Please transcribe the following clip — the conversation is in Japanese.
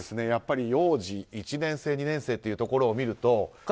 やっぱり幼児、１年生２年生というところを見ると。